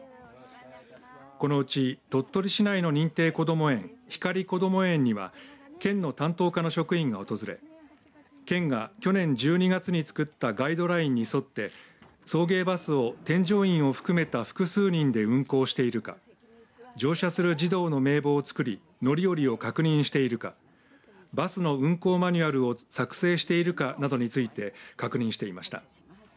このうち鳥取市内の認定こども園、ひかりこども園には県の担当課の職員が訪れ県が去年１２月に作ったガイドラインに沿って送迎バスを添乗員を含めた複数人で運行しているか乗車する児童の名簿を作り乗り降りを確認しているかバスの運行マニュアルを作成しているかなどについて確認していました。